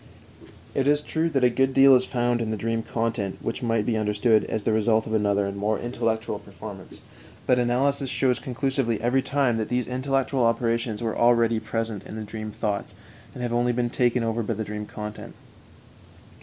It is true that a good deal is found in the dream content which might be understood as the result of another and more intellectual performance; but analysis shows conclusively every time that these intellectual operations were already present in the dream thoughts, and have only been taken over by the dream content.